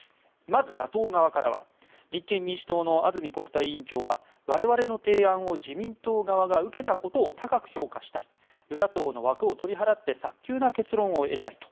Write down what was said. まず野党側からは立憲民主党の安住国対委員長は我々の提案を自民党側が受けたことを高く評価したい与野党の枠を取り払って早急な結論を得たいと。